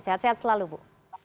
sehat sehat selalu bu